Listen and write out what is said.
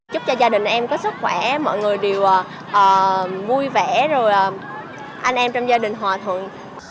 chúc cho gia đình em có sức khỏe mọi người đều vui vẻ rồi anh em trong gia đình hòa thượng